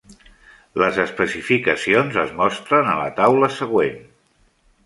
Les especificacions es mostren a la taula següent.